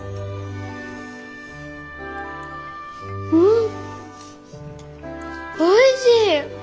んおいしい！